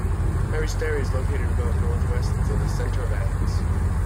Peristeri is located about northwest of the centre of Athens.